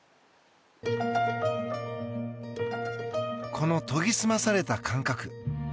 この研ぎ澄まされた感覚。